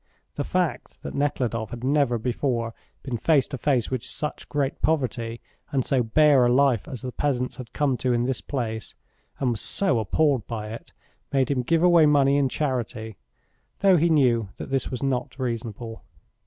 The fact that Nekhludoff had never before been face to face with such great poverty and so bare a life as the peasants had come to in this place, and was so appalled by it, made him give away money in charity, though he knew that this was not reasonable.